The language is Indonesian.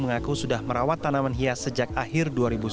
mengaku sudah merawat tanaman hias sejak akhir dua ribu sembilan belas